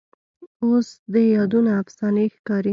اوس دي یادونه افسانې ښکاري